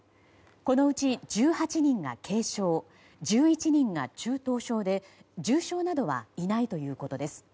このうち１８人が軽症１１人が中等症で重症などはいないということです。